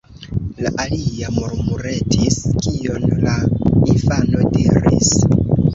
la alia murmuretis, kion la infano diris.